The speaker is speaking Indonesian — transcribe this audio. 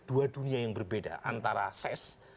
dua dunia yang berbeda antara ses